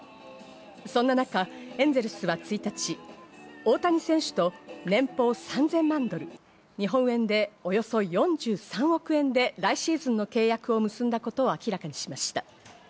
そんな中、エンゼルスは１日、大谷選手と年俸３０００万ドル、日本円でおよそ４３億円で来シーズンの契約を結んだことを明らかにしました。